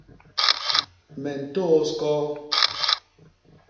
Me ntôôs koo.